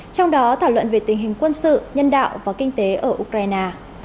trong đó thảo luận về tình hình quân sự nhân đạo và kinh tế ở ukraine